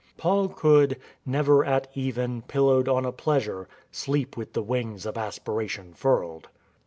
Paul could " Never at even, pillowed on a pleasure, Sleep with the wings of aspiration furled.